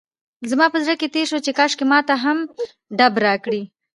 زما په زړه کې تېر شول چې کاشکې ماته هم ډب راکړي.